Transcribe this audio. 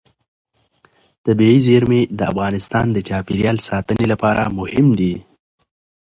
طبیعي زیرمې د افغانستان د چاپیریال ساتنې لپاره مهم دي.